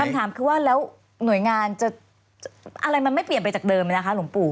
คำถามคือว่าแล้วหน่วยงานจะอะไรมันไม่เปลี่ยนไปจากเดิมนะคะหลวงปู่